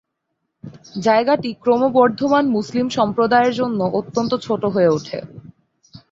জায়গাটি ক্রমবর্ধমান মুসলিম সম্প্রদায়ের জন্য অত্যন্ত ছোট হয়ে ওঠে।